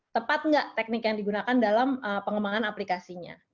tepat nggak teknik yang digunakan dalam pengembangan aplikasinya